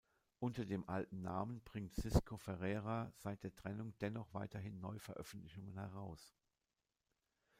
Unter dem alten Namen bringt Cisco Ferreira seit der Trennung dennoch weiterhin Neu-Veröffentlichungen heraus.